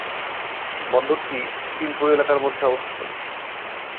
বন্দরটি শিল্প এলাকার মধ্যে অবস্থিত।